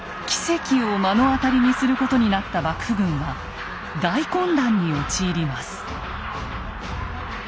奇跡を目の当たりにすることになった幕府軍は大混乱に陥ります。